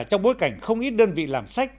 trong bối cảnh không ít đơn vị làm sách